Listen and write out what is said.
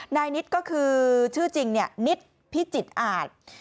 นายนิดก็คือชื่อจริงนิดพิจิตรอาจ